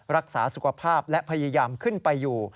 รักษาสุขภาพและพยายามขึ้นไปอยู่